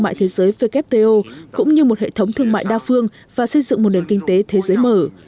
mại thế giới wto cũng như một hệ thống thương mại đa phương và xây dựng một nền kinh tế thế giới mở